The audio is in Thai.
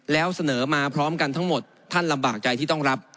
แล้วเสนอมาพร้อมกันทั้งหมดท่านลำบากใจที่ต้องรับ